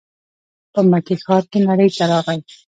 په مکې ښار کې نړۍ ته راغی.